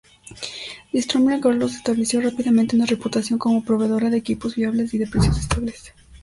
Stromberg-Carlson estableció rápidamente una reputación como proveedora de equipos fiables y de precios estables.